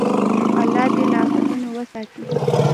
الله دې له افتونو وساتي.